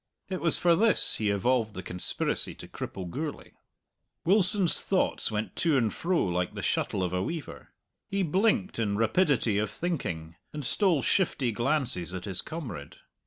It was for this he evolved the conspiracy to cripple Gourlay. Wilson's thoughts went to and fro like the shuttle of a weaver. He blinked in rapidity of thinking, and stole shifty glances at his comrade.